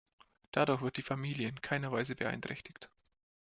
Dadurch wird die Familie in keiner Weise beeinträchtigt.